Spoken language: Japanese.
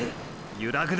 ゆらぐな！！